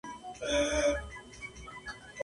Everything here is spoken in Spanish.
El río se congela desde diciembre hasta marzo.